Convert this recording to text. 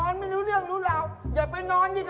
นี่ดูเรื่องไง